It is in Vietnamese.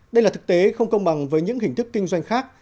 đây là thực tế không công bằng với những hình thức kinh doanh khác